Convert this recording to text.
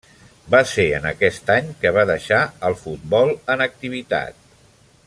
Va ser en aquest any que va deixar el futbol en activitat.